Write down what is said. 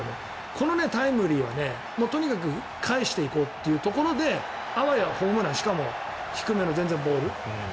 このタイムリーは、とにかく返していこうというところであわやホームランしかも低めの全然ボール。